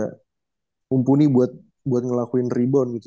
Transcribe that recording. mumpuni buat ngelakuin rebound gitu